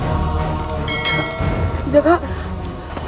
unlike untuk teman yang diberikan